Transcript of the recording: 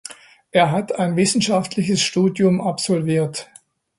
Er hat ein wissenschaftliches Studium absolviert.